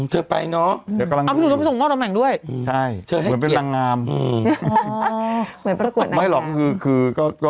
เธอไปเนอะเอาพี่สุดลงไปส่งมอบตำแหน่งด้วยเธอให้เกียจคือคือคือก็